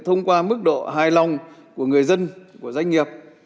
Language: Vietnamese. thông qua mức độ hài lòng của người dân của doanh nghiệp